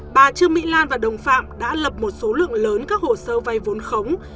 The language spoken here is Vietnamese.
bà trương mỹ lan và đồng phạm đã lập một số lượng lớn các hồ sơ vay vốn khống